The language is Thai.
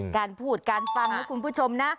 การพูดการฟังนะคุณผู้ชมนะ